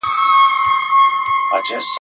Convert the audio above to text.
داسي ټکه یې پر کور وه را لوېدلې ..